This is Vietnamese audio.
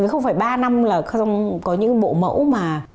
không phải ba năm là không có những bộ mẫu mà